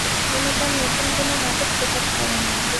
তিনি তার নতুন কোন নাটক প্রকাশ করেননি।